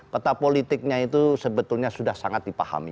peta politiknya itu sebetulnya sudah sangat dipahami